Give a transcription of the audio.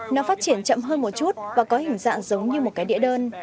nó phát triển chậm hơn một chút và có hình dạng giống như một cái đĩa đơn